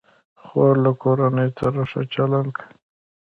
خور له کورنۍ سره ښه چلند کوي.